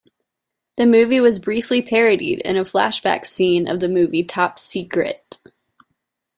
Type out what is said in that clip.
The movie was briefly parodied in a flashback scene of the movie Top Secret!